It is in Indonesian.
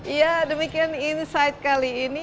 ya demikian insight kali ini